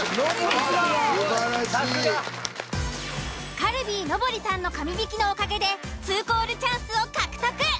「カルビー」野堀さんの神引きのおかげで２コールチャンスを獲得。